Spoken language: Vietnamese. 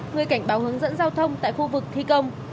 người cảnh báo hướng dẫn giao thông tại khu vực thi công